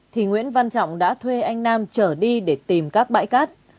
thì nguyễn văn trọng đã thuê anh nam trở đi để tìm các bãi cát